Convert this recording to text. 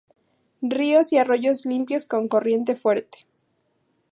Ríos y arroyos limpios con corriente fuerte.